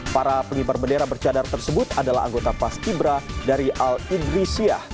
para penghibar bendera bercadar tersebut adalah anggota pas kibra dari al ibrisiyah